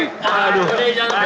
ini udah terlalu cepat